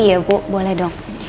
iya bu boleh dong